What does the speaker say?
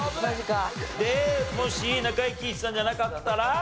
でもし中井貴一さんじゃなかったら？